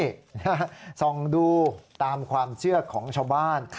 ส่องดูตามความเชื่อของชาวบ้าน